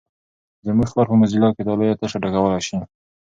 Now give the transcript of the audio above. زموږ کار په موزیلا کې دا لویه تشه ډکولای شي.